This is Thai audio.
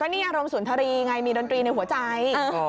นี่อารมณ์สุนทรีย์ไงมีดนตรีในหัวใจ